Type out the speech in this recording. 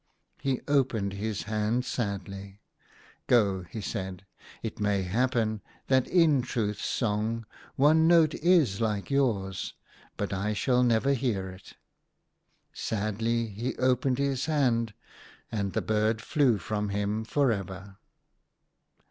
He opened his hands sadly. " Go," he said. "It may happen that in Truth's song one note is like to yours ; but / shall never hear it." Sadly he opened his hand, and the bird flew from him for ever.